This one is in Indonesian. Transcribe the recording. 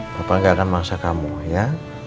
papa enggak akan mangsa kamu ya